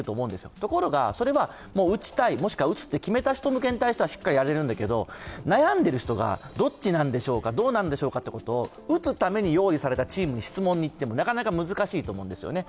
ところがそれは打ちたい、打つと決めた人向けにはできるけど悩んでいる人がどっちなんでしょうか、どうなんでしょうかということを打つためのチームに質問に行ってもなかなか難しいと思うんですよね。